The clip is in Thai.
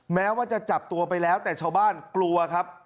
แม้ว่าจะจับตัวไปแล้วแต่ชาวบ้านกลัวครับ